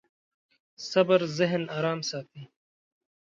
صبر ذهن ارام ساتي.